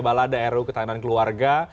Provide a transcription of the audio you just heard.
balada ruu ketahanan keluarga